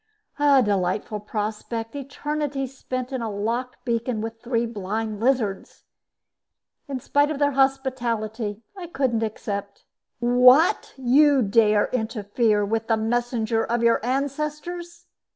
A delightful prospect, eternity spent in a locked beacon with three blind lizards. In spite of their hospitality, I couldn't accept. "What you dare interfere with the messenger of your ancestors!"